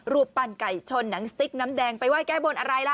รูปปั้นไก่ชนหนังสติ๊กน้ำแดงไปไห้แก้บนอะไรล่ะ